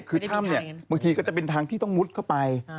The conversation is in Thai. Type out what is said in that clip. คือถ้ำเนี่ยบางทีก็จะเป็นทางที่ต้องมุดเข้าไป